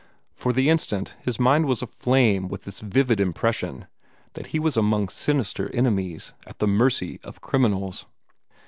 For the instant his mind was aflame with this vivid impression that he was among sinister enemies, at the mercy of criminals.